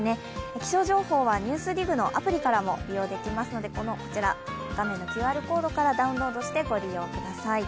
気象情報は「ＮＥＷＳＤＩＧ」のアプリからもご覧できますので、こちら、画面のＱＲコードからダウンロードして、ご利用ください。